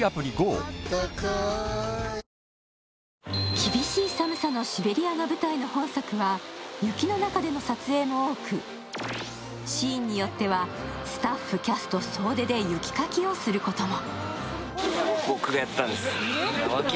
厳しい寒さのシベリアが舞台の本作は雪の中での撮影も多く、シーンによってはスタッフ、キャスト総出で雪かきをすることも。